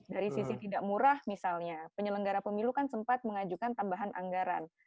dari sisi tidak murah misalnya penyelenggara pemilu kan sempat mengajukan tambahan anggaran